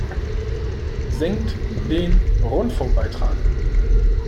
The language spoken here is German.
Senkt den Rundfunkbeitrag!